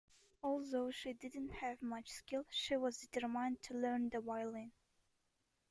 Although she didn't have much skill, she was determined to learn the violin.